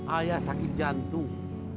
ayah sakit jantung